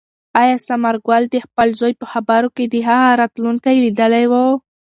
آیا ثمرګل د خپل زوی په خبرو کې د هغه راتلونکی لیدلی و؟